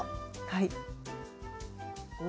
はい。